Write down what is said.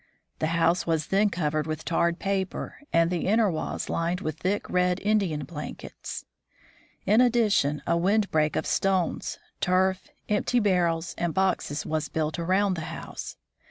The house was then covered with tarred paper, and the inner walls lined with thick, red, Indian blankets. In addition, a wind break of stones, turf, empty barrels, and boxes was built around the house.